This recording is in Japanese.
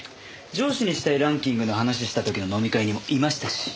上司にしたいランキングの話した時の飲み会にもいましたし。